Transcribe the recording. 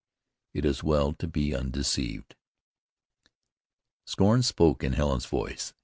It is well to be undeceived." Scorn spoke in Helen's voice.